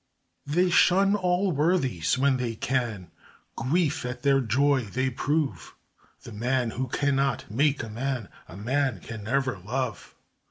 They shun all worthies when they can, Grief at their joy they prove The man who cannot make a man, A man can never love!